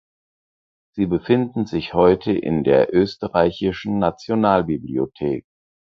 Sie befinden sich heute in der Österreichischen Nationalbibliothek.